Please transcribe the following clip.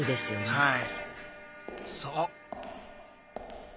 はい。